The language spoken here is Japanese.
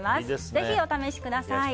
ぜひお試しください。